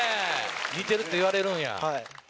似てるって言われるんや。